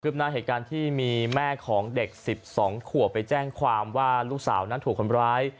เกิดขึ้นมาที่มีแม่ของเด็ก๑๒ขัวไปแจ้งความว่าลูกสาวนั้นถูกคนไร้